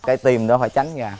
cái tim đó phải tránh ra